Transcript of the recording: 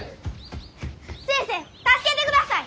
先生助けてください！